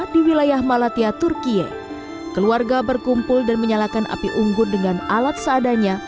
di wilayah malatya turkiye keluarga berkumpul dan menyalakan api unggun dengan alat seadanya